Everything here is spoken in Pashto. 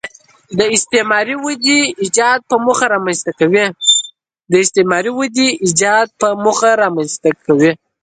د استثماري ودې ایجاد په موخه رامنځته کوي